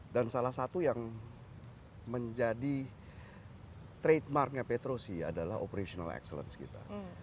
dan salah satu yang menjadi trademarknya petrosi adalah operational excellence kita